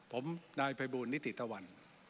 ผมนายประธานนิติตะวัน